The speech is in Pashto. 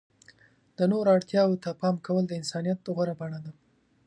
د نورو اړتیاوو ته پام کول د انسانیت غوره بڼه ده.